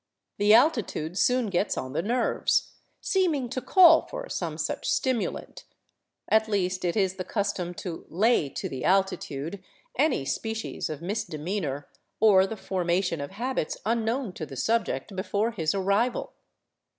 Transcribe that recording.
The altitude soon gets on the nerves, seem ing to call for some such stimulant ; at least, it is the custom to " lay to the altitude " any species of misdemeanor, or the formation of habits unknown to the subject before his arrival.